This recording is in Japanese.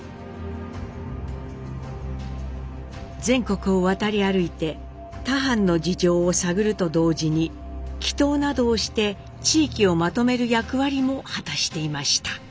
全国を渡り歩いて他藩の事情を探ると同時に祈祷などをして地域をまとめる役割も果たしていました。